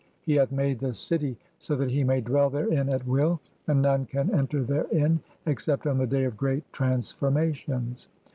He hath made the city so that he may dwell therein "at will, and none can enter therein except on the dav of great "(7) transformations.